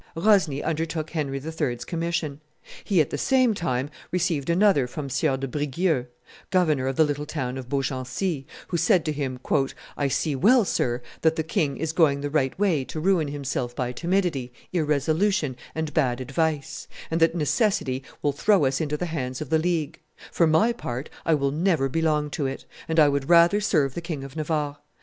Rosny undertook Henry III.'s commission. He at the same time received another from Sieur de Brigueux, governor of the little town of Beaugency, who said to him, "I see well, sir, that the king is going the right way to ruin himself by timidity, irresolution, and bad advice, and that necessity will throw us into the hands of the League: for my part, I will never belong to it, and I would rather serve the King of Navarre.